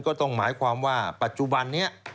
ก็ต้องหมายความว่าปัจจุบันนี้